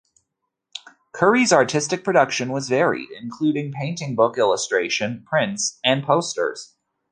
Curry's artistic production was varied, including painting, book illustration, prints and posters.